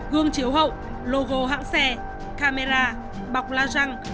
gương chiếu hậu logo hãng xe camera bọc la răng